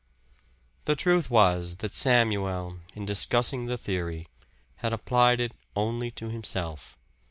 The truth was that Samuel, in discussing the theory, had applied it only to himself.